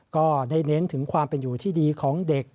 ก็ได้เน้นถึงความเป็นอยู่ที่ดีของเด็ก